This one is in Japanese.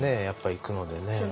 やっぱり行くのでね。